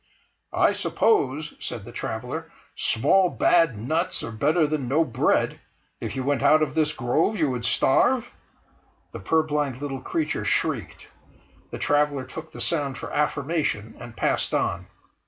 "I suppose," said the traveller, "small bad nuts are better than no bread; if you went out of this grove you would starve?" The purblind little creature shrieked. The traveller took the sound for affirmation, and passed on.